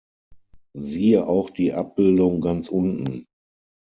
Siehe auch die Abbildung ganz unten.